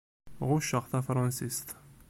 Ɣucceɣ tafṛansist.